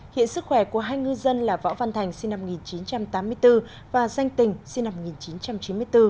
hiện sức khỏe của hai ngư dân là võ văn thành sinh năm một nghìn chín trăm tám mươi bốn và danh tình sinh năm một nghìn chín trăm chín mươi bốn